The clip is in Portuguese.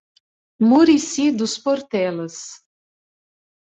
Murici dos Portelas